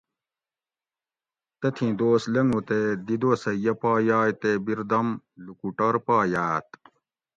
تتھیں دوس لنگُو تے دی دوسٞہ یہ پا یائ تے بردم لُکوٹور پا یاٞت